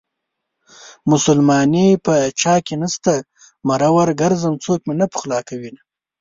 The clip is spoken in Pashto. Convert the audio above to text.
مسلماني په چاكې نشته مرور ګرځم څوك مې نه پخولاكوينه